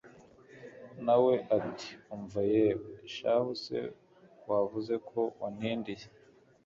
nawe ati umva yewe! shahu se wavuze ko wantindiye